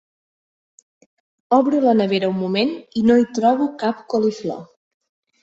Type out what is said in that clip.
Obro la nevera un moment i no hi trobo cap coliflor.